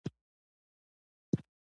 پامیر د افغانانو د تفریح یوه وسیله ده.